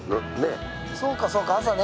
そうかそうか、朝ね。